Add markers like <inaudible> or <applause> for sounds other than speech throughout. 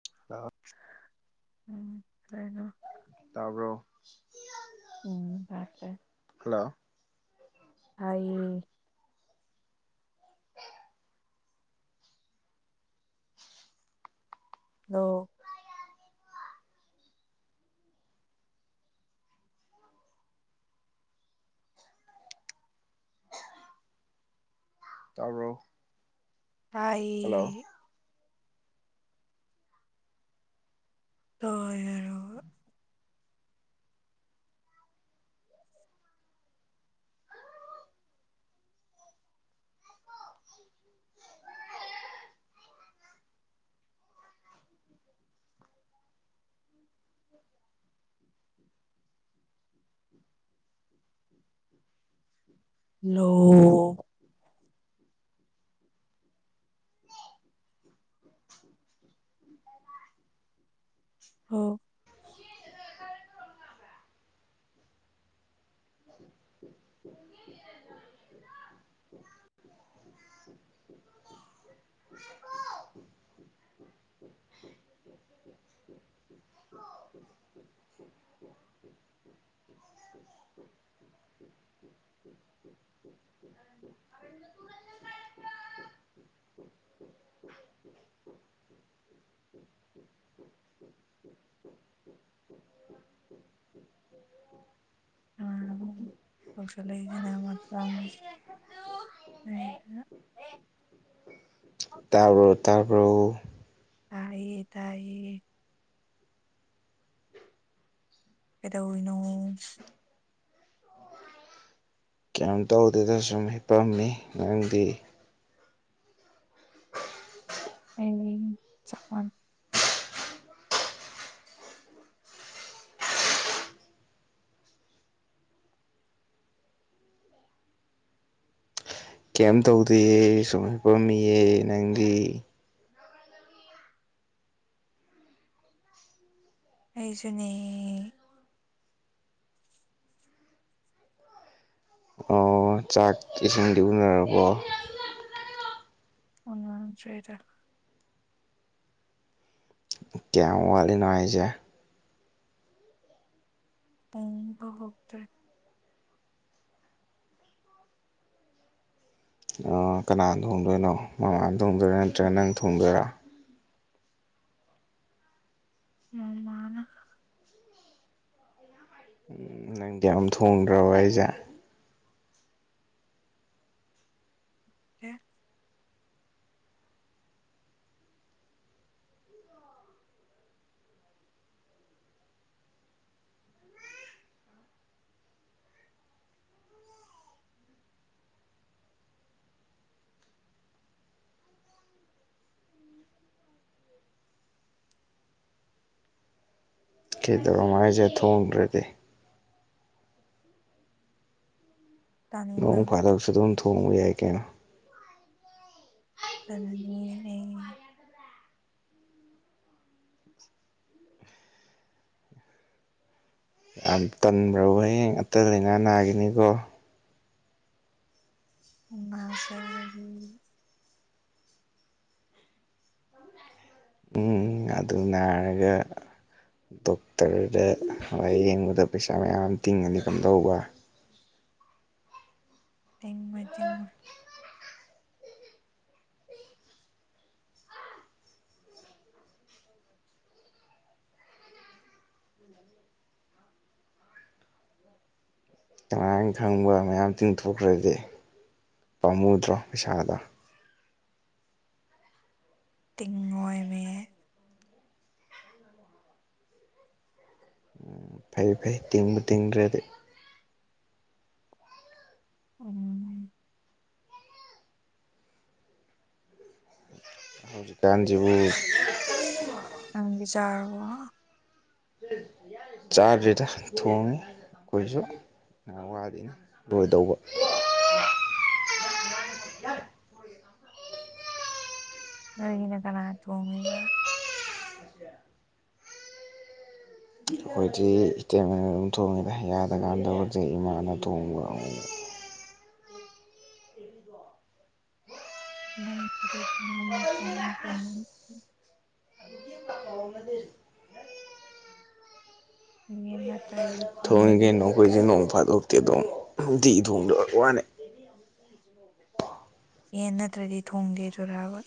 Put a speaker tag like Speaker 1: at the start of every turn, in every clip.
Speaker 1: <inaudible>
Speaker 2: <unintelligible>
Speaker 1: ꯇꯥꯕ꯭ꯔꯣ
Speaker 2: ꯎꯝ
Speaker 1: ꯍꯜꯂꯣ
Speaker 2: ꯇꯥꯏꯌꯦ ꯂꯣ
Speaker 1: ꯇꯥꯖ꯭ꯔꯣ
Speaker 2: ꯑꯩ <unintelligible> ꯂꯣ
Speaker 1: <unintelligible>
Speaker 2: ꯑꯣ
Speaker 1: <inaudible> <unintelligible>
Speaker 2: <inaudible> <inaudible>
Speaker 1: <inaudible>
Speaker 2: <inaudible> <inaudible>
Speaker 1: <inaudible>
Speaker 2: ꯇꯧꯁꯂ ꯏꯗꯅ <unintelligible> <inaudible>
Speaker 1: ꯇꯥꯕ꯭ꯔꯣ ꯇꯥꯕ꯭ꯔꯣ
Speaker 2: ꯇꯥꯏꯌꯦ ꯇꯥꯏꯌꯦ ꯀꯩꯗꯧꯔꯤꯅꯣ
Speaker 1: ꯀꯩꯝ ꯇꯧꯗꯦꯗ ꯁꯨꯝ ꯍꯤꯄꯝꯃꯤ ꯅꯪꯗꯤ
Speaker 2: ꯑꯩ ꯆꯥꯎꯃꯜ
Speaker 1: ꯀꯩꯝ ꯇꯧꯗꯤꯌꯦ ꯁꯨꯝ ꯍꯤꯞꯄꯝꯃꯤꯌꯦ ꯅꯪꯗꯤ
Speaker 2: ꯑꯩꯁꯨꯅꯦ
Speaker 1: ꯑꯣ ꯆꯥꯛ ꯏꯁꯤꯡꯗꯤ ꯎꯅꯔꯕꯣ <inaudible>
Speaker 2: ꯎꯅꯗ꯭ꯔꯤꯗ
Speaker 1: ꯀꯌꯥꯝ ꯋꯥꯠꯂꯤꯅꯣ ꯍꯥꯏꯁꯦ
Speaker 2: ꯊꯣꯡꯕ ꯍꯧꯗ꯭ꯔꯤ
Speaker 1: ꯑꯥ ꯀꯅꯥꯅ ꯊꯣꯡꯗꯣꯏꯅꯣ ꯃꯃꯥꯅ ꯊꯣꯡꯗꯣꯏꯔ ꯅꯠꯇ꯭ꯔꯒ ꯅꯪ ꯊꯣꯡꯗꯣꯏꯔ
Speaker 2: ꯃꯃꯥꯅ
Speaker 1: ꯎꯝ ꯅꯪꯗꯤ ꯌꯥꯝ ꯊꯣꯡꯗ꯭ꯔꯕ ꯍꯥꯏꯖꯦ
Speaker 2: ꯑꯦ
Speaker 1: ꯀꯩꯗꯧꯔꯝꯅꯣ ꯍꯥꯏꯁꯦ ꯊꯣꯡꯗ꯭ꯔꯗꯤ
Speaker 2: ꯇꯟꯅ
Speaker 1: ꯅꯣꯡ ꯐꯥꯗꯣꯛꯁꯨ ꯑꯗꯨꯝ ꯊꯣꯡꯕ ꯌꯥꯏ ꯀꯩꯅꯣ
Speaker 2: ꯑ <inaudible>
Speaker 1: ꯌꯥꯝ ꯇꯟꯕ꯭ꯔꯣꯕ ꯍꯌꯦꯡ ꯑꯇꯟ ꯂꯩꯥꯏꯅꯥ ꯅꯥꯈꯤꯅꯤꯀꯣ
Speaker 2: ꯅꯖꯔꯒꯦ
Speaker 1: ꯎꯝ ꯑꯗꯨ ꯅꯥꯔꯒ ꯗꯣꯛꯇꯔꯗ ꯂꯥꯏ ꯌꯦꯡꯕꯗ ꯄꯩꯁꯥ ꯃꯌꯥꯝ ꯇꯤꯡꯉꯅꯤ ꯀꯝꯗꯧꯕ
Speaker 2: ꯇꯦꯡꯕ ꯆꯉꯣꯏ
Speaker 1: ꯀꯃꯥꯏ ꯈꯪꯕ ꯃꯌꯥꯝ ꯇꯤꯡꯊꯣꯛꯈ꯭ꯔꯗꯤ ꯄꯥꯝꯃꯨꯗ꯭ꯔꯣ ꯄꯩꯁꯥꯗꯣ
Speaker 2: ꯇꯤꯡꯉꯣꯏ ꯃꯦ
Speaker 1: ꯎꯝ ꯐꯩ ꯐꯩ ꯇꯤꯡꯕꯨ ꯇꯤꯡꯗ꯭ꯔꯗꯤ
Speaker 2: ꯎꯝ
Speaker 1: ꯍꯧꯖꯤ ꯀꯥꯟꯖꯤꯕꯨ
Speaker 2: ꯅꯪꯗꯤ ꯆꯥꯔꯕꯣ
Speaker 1: ꯆꯥꯗ꯭ꯔꯤꯗ ꯊꯣꯡꯉꯤ ꯑꯩꯈꯣꯏꯁꯨ ꯉꯍꯥꯛ ꯋꯥꯠꯂꯤꯅꯦ ꯂꯣꯏꯗꯧꯕ
Speaker 2: <inaudible> ꯅꯣꯏꯒꯤꯅ ꯀꯅꯥ ꯊꯣꯡꯉꯤꯕ
Speaker 1: ꯑꯩꯈꯣꯏꯗꯤ ꯏꯇꯩꯃꯅ ꯑꯗꯨꯝ ꯊꯣꯡꯉꯤꯗ ꯌꯥꯗꯀꯥꯟꯗ ꯕꯨꯗꯤ ꯏꯃꯥꯅ ꯊꯣꯡꯕ ꯑꯃꯨ ꯃꯨꯛ
Speaker 2: ꯀ <unintelligible> ꯍ <unintelligible>
Speaker 1: ꯊꯣꯡꯉꯦ ꯀꯩꯅꯣ ꯑꯩꯈꯣꯏꯁꯨ ꯅꯣꯡ ꯐꯥꯗꯣꯛꯇꯤ ꯑꯗꯨꯝ ꯅꯨꯡꯇꯤꯒꯤ ꯊꯣꯡꯗꯕꯩ ꯋꯥꯅꯦ
Speaker 2: ꯌꯦꯟ ꯅꯠꯇ꯭ꯔꯗꯤ ꯊꯣꯡꯗꯦ ꯗꯨꯔꯥꯕ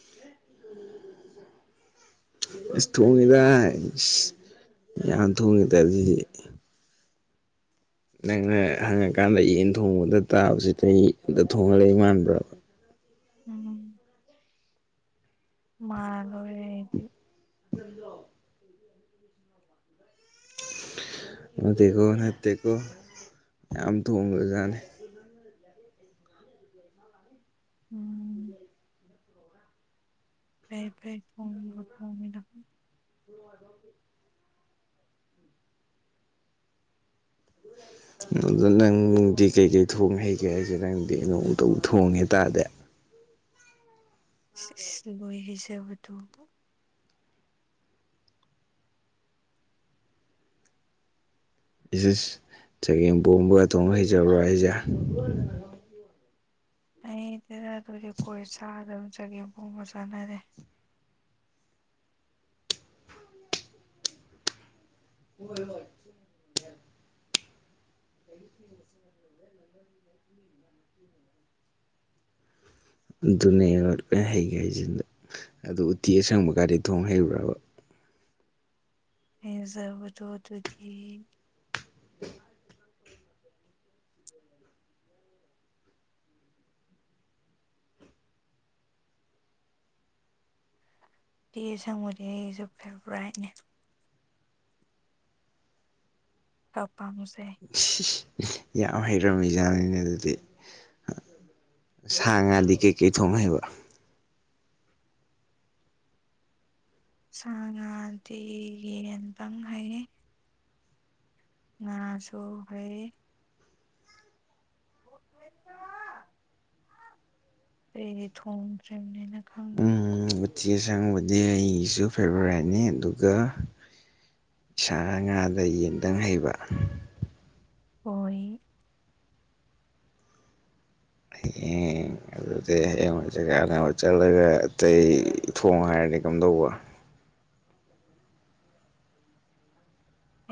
Speaker 1: ꯏꯁ ꯊꯣꯡꯉꯦꯗ ꯌꯥꯝ ꯊꯣꯡꯉꯦꯗ ꯗꯨꯗꯤ ꯅꯪꯅ ꯍꯪꯉꯀꯥꯟꯗ ꯌꯦꯟ ꯊꯣꯡꯕꯗ ꯇꯥꯕꯁꯤꯗ ꯌꯦꯟꯗ ꯊꯣꯡꯉ ꯂꯩ ꯃꯥꯟꯕ꯭ꯔꯕ
Speaker 2: ꯎꯝ ꯃꯥꯜꯂꯨꯔꯦ ꯑꯩꯗꯤ
Speaker 1: ꯗꯣ <unintelligible> ꯅꯠꯇꯦꯀꯣ ꯅꯠꯇꯦꯀꯣ ꯌꯥꯝ ꯊꯣꯡꯒ꯭ꯔꯖꯥꯅꯦ
Speaker 2: ꯎꯝ ꯐꯩ ꯐꯩ ꯊꯣꯡꯉꯦꯗ ꯊꯣꯡꯉꯤꯗꯣ <inaudible>
Speaker 1: ꯑꯗꯨꯗ ꯅꯪꯗꯤ ꯀꯩꯀꯩ ꯊꯣꯡ ꯍꯩꯒꯦ ꯍꯥꯏꯁꯦ ꯅꯪꯗꯤ ꯅꯣꯡꯇꯕꯨ ꯊꯣꯡꯉꯦ ꯇꯥꯗꯦ
Speaker 2: ꯂꯣꯏ ꯍꯩꯖꯕꯗꯣ
Speaker 1: ꯏꯁ ꯏꯁ ꯆꯒꯦꯝ ꯄꯣꯝꯕ ꯊꯣꯡ ꯍꯩꯖꯕ꯭ꯔꯣ ꯍꯥꯏꯁꯦ
Speaker 2: ꯑꯩ ꯇꯦꯔꯥ ꯑꯗꯨꯗꯤ ꯀꯣꯏ ꯆꯥꯗꯕ ꯆꯒꯦꯝ ꯄꯣꯝꯕ ꯆꯥꯅꯗꯦ
Speaker 1: ꯍꯣꯏ ꯍꯣꯏ ꯑꯗꯨꯅꯦꯕ ꯂꯣꯏ ꯍꯩꯒ ꯍꯩꯖꯤꯟꯗ ꯑꯗꯨ ꯎꯇꯤ ꯑꯁꯪꯕ ꯒꯥꯗꯤ ꯊꯣꯡ ꯍꯩꯕ꯭ꯔꯕ
Speaker 2: ꯍꯩꯖꯕꯗꯣ ꯑꯗꯨꯗꯤ ꯎꯇꯤ ꯑꯁꯪꯕꯗꯤ ꯑꯩꯒꯤꯁꯨ ꯐꯦꯚꯣꯔꯥꯏꯠꯅꯦ ꯀꯄꯥꯝꯁ
Speaker 1: ꯌꯥꯝ ꯍꯩꯔꯝꯃꯤ ꯖꯥꯅꯤꯅꯦ ꯑꯗꯨꯗꯤ ꯁꯥ ꯉꯥꯗꯤ ꯀꯩꯀꯩ ꯊꯣꯡ ꯍꯩꯕ
Speaker 2: ꯁꯥ ꯉꯥꯗꯤ ꯌꯦꯟꯇꯪ ꯍꯩ ꯉꯥꯁꯨ ꯍꯩ <unintelligible> ꯑꯩꯗꯤ ꯊꯣꯡꯗ꯭ꯔꯤꯕꯅꯦꯅ ꯈꯪꯗꯦ
Speaker 1: ꯑꯨꯇꯤ ꯑꯁꯪꯕꯗꯤ ꯑꯩꯒꯤꯁꯨ ꯐꯦꯕꯣꯔꯥꯏꯠꯅꯤ ꯑꯗꯨꯒ ꯁꯥ ꯉꯥꯗ ꯌꯦꯟꯗꯪ ꯍꯩꯕ
Speaker 2: ꯑꯣꯏ
Speaker 1: <unintelligible> ꯑꯗꯨꯗꯤ ꯍꯥꯌꯦꯡ ꯋꯥꯏ ꯆꯛ ꯆꯥꯅꯕ ꯆꯠꯂꯒ ꯑꯇꯩ ꯊꯣꯡ ꯍꯥꯏꯔꯗꯤ ꯀꯝꯗꯧꯕ
Speaker 2: <inaudible>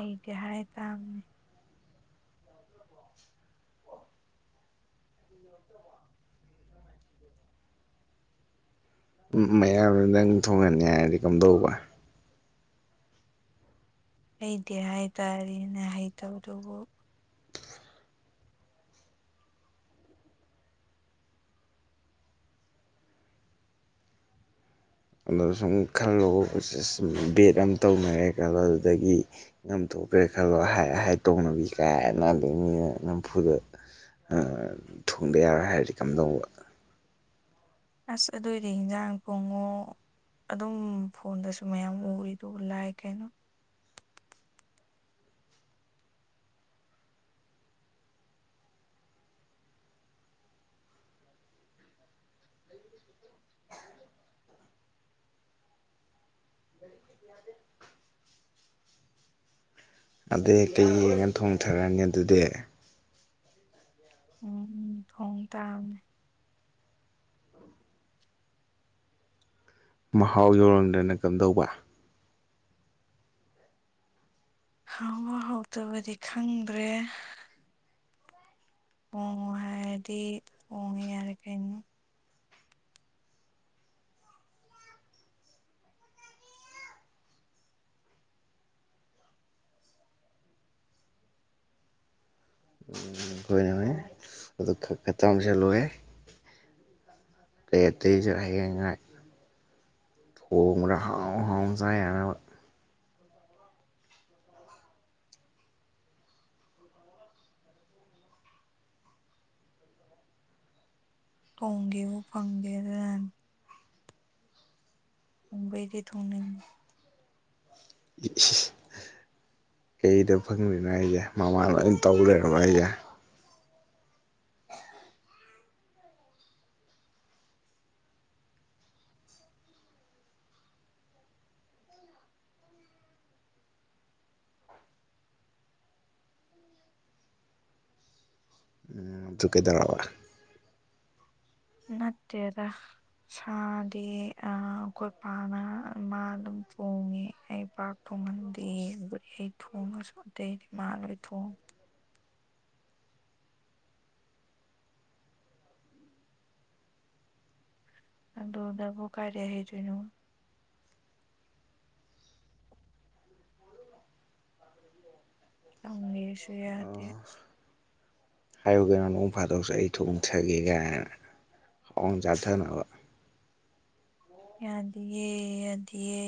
Speaker 2: ꯑꯩꯗꯤ ꯍꯥꯏ ꯇꯥꯝꯅꯤ
Speaker 1: ꯎꯝ ꯎꯝ ꯃꯌꯥꯝꯅ ꯅꯪ ꯊꯣꯡꯍꯟꯅꯤ ꯍꯥꯏꯔꯗꯤ ꯀꯝ ꯗꯧꯕ
Speaker 2: ꯍꯩꯗꯤ ꯍꯥꯏꯇꯥꯔꯦꯅꯦ ꯍꯩꯇꯕꯗꯨꯕꯨ
Speaker 1: ꯑꯗꯨ ꯁꯨꯝ ꯈꯜꯂꯣ ꯕꯦꯠ ꯑꯃ ꯇꯧꯅꯔꯦ ꯈꯜꯂ ꯑꯗꯨꯗꯒꯤ ꯉꯝꯊꯣꯛ ꯕꯔꯦꯛ ꯈꯜꯂꯣ ꯍꯥꯏ ꯍꯥꯏ ꯇꯧꯅꯕꯤ ꯀꯥꯏꯅ ꯑꯗꯨꯗ ꯃꯤꯅ ꯅꯝꯐꯨꯗ ꯑꯥ ꯊꯣꯡꯗ ꯌꯥꯔꯣꯏ ꯍꯥꯏꯔꯗꯤ ꯀꯝꯗꯧꯕ
Speaker 2: ꯑꯁ ꯑꯗꯨꯏꯗꯤ ꯌꯦꯟꯖꯥꯡ ꯀꯣꯡꯉꯣ ꯑꯗꯨꯝ ꯐꯣꯟꯗꯁꯨ ꯃꯌꯥꯝ ꯎꯔꯤꯗꯨꯕꯣ ꯂꯥꯏ ꯀꯩꯅꯣ
Speaker 1: ꯑꯗꯩ ꯀꯩ ꯌꯦꯡꯉ ꯊꯣꯡꯊꯔꯅꯤ ꯑꯗꯨꯗꯤ
Speaker 2: ꯎꯝ ꯊꯣꯡ ꯇꯥꯃꯅꯦ
Speaker 1: ꯃꯍꯥꯎ ꯌꯧꯔꯝꯗ꯭ꯔꯅ ꯀꯝꯗꯧꯕ
Speaker 2: ꯍꯥꯎꯕ ꯍꯧꯇꯕꯗꯤ ꯈꯪꯗ꯭ꯔꯦ ꯑꯣꯡꯉꯣ ꯍꯥꯏꯔꯗꯤ ꯑꯣꯡꯉꯦ ꯌꯥꯔꯦ ꯀꯩꯅꯣ
Speaker 1: ꯎꯝ ꯍꯣꯏꯅꯦ ꯍꯣꯏꯅꯦ ꯑꯗꯨ ꯈꯛꯀ ꯇꯝꯖꯜꯂꯣꯍꯦ ꯑꯇꯩ ꯑꯇꯩꯖꯨ ꯍꯌꯦꯡꯉꯥꯏ ꯊꯣꯡꯕꯗ ꯍꯥꯎ ꯍꯥꯎ ꯆꯥ ꯌꯥꯅꯕ
Speaker 2: ꯍꯣꯡꯒꯦꯕꯨ ꯐꯪꯗꯦ ꯑꯗꯨꯅ ꯎꯝꯕꯩꯗꯤ ꯊꯣꯡꯅꯤꯡ
Speaker 1: ꯏꯁ ꯀꯩꯗ ꯐꯪꯗ꯭ꯔꯤꯅꯣ ꯍꯥꯏꯁꯦ ꯃꯃꯥꯅ ꯑꯗꯨꯝ ꯇꯩ ꯂꯩꯔꯕꯣ ꯍꯥꯏꯁꯦ ꯎꯝ ꯑꯗꯨ ꯀꯩꯗꯧꯔꯕ
Speaker 2: ꯅꯠꯇꯦꯗ ꯁꯥꯗꯤꯌꯦ ꯑꯥ ꯑꯩꯈꯣꯏ ꯄꯥꯅ ꯃꯥ ꯑꯗꯨꯝ ꯊꯣꯡꯉꯦ ꯑꯩ ꯄꯥꯛ ꯊꯣꯡ ꯊꯣꯡꯍꯟꯗꯤꯌꯦ ꯑꯩ ꯊꯣꯡꯉꯁꯨ ꯑꯇꯩꯗꯤ ꯃꯥ ꯂꯣꯏ ꯊꯣꯡ ꯑꯗꯨꯗꯕꯣ ꯀꯥꯏꯗꯩ ꯍꯩꯗꯣꯏꯅꯣ ꯌꯥꯎꯅꯤꯁꯨ ꯌꯥꯗꯦ
Speaker 1: ꯍꯥꯏꯌꯨꯒꯩꯅꯣ ꯅꯣꯡ ꯐꯥꯗꯣꯛꯁꯨ ꯑꯩ ꯊꯣꯡꯊꯒꯦ ꯀꯥꯏꯅ ꯍꯥꯎꯅ ꯆꯥꯊꯅꯕ
Speaker 2: ꯌꯥꯗꯤꯌꯦ ꯌꯥꯗꯤꯌꯦ